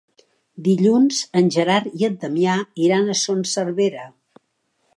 Dilluns en Gerard i en Damià iran a Son Servera.